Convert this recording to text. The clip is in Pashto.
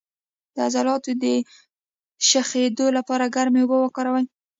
د عضلاتو د شخیدو لپاره ګرمې اوبه وکاروئ